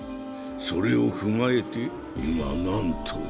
それを踏まえて今なんと？